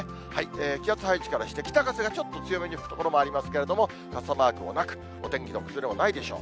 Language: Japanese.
気圧配置からして北風がちょっと強めに吹く所もありますけれども、傘マークもなく、お天気の崩れもないでしょう。